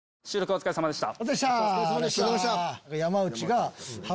お疲れさまでした。